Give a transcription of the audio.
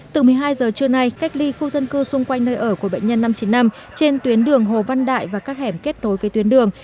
từ một mươi hai giờ trưa nay cách ly khu dân cư xung quanh nơi ở của bệnh nhân năm trăm chín mươi năm trên tuyến đường hồ văn đại và các hẻm kết nối với tuyến đường